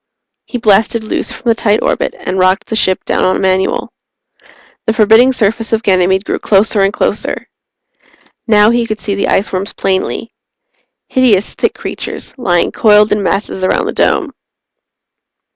He blasted loose from the tight orbit and rocked the ship down on manual. The forbidding surface of Ganymede grew closer and closer. Now he could see the iceworms plainly. Hideous, thick creatures, lying coiled in masses around the Dome.